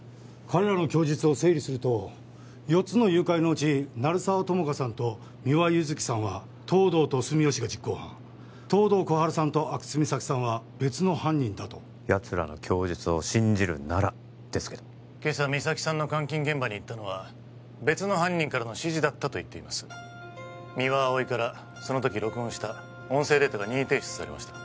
彼らの供述を整理すると四つの誘拐のうち鳴沢友果さんと三輪優月さんは東堂と住吉が実行犯東堂心春さんと阿久津実咲さんは別の犯人だとやつらの供述を信じるならですけど今朝実咲さんの監禁現場に行ったのは別の犯人からの指示だったと言っています三輪碧からその時録音した音声データが任意提出されました